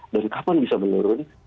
dan kapan bisa menurun